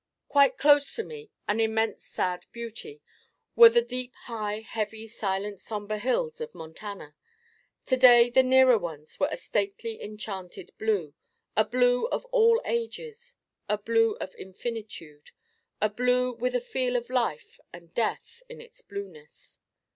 Quite close to me, in immense sad beauty, were the deep high heavy silent somber hills of Montana. To day the nearer ones were a stately enchanted Blue: a Blue of all ages: a Blue of infinitude: a Blue with a feel of life and death in its Blueness.